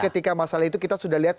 ketika masalah itu kita sudah lihat